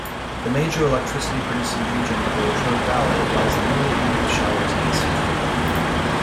The major electricity-producing region of the Latrobe Valley lies immediately to the shire's east.